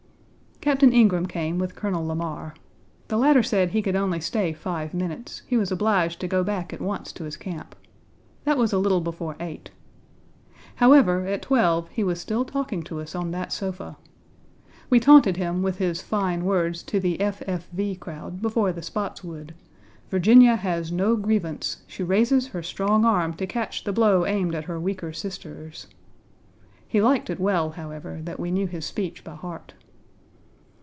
Captain Ingraham came with Colonel Lamar.1 The latter said he could only stay five minutes; he was obliged to go back at once to his camp. That was a little before eight. However, at twelve he was still talking to us on that sofa. We taunted him with his fine words to the the F. F. V. crowd before the Spotswood: "Virginia has no grievance. She raises her strong arm to catch the blow aimed at her weaker sisters." He liked it well, however, that we knew his speech by heart.